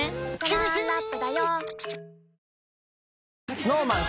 ＳｎｏｗＭａｎ